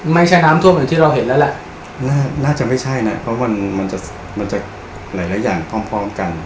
ไม่ใช่น้ำท่วมอย่างที่เราเห็นแล้วล่ะน่าจะไม่ใช่นะเพราะมันมันจะหลายอย่างพร้อมกัน